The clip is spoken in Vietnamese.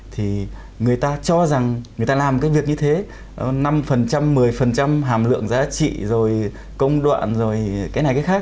thì người ta cho rằng người ta làm cái việc như thế năm một mươi hàm lượng giá trị rồi công đoạn rồi cái này cái khác